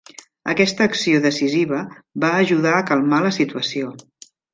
Aquesta acció decisiva va ajudar a calmar la situació.